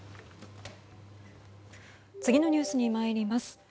次のニュースにまいります。